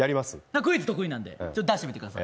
クイズ得意なんで出してみてください。